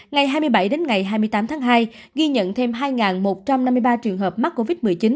ngày hai mươi bảy đến ngày hai mươi tám tháng hai ghi nhận thêm hai một trăm năm mươi ba trường hợp mắc covid một mươi chín